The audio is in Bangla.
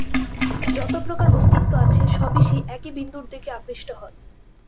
যত প্রকার অস্তিত্ব আছে, সবই সেই এক বিন্দুর দিকে আকৃষ্ট হয়।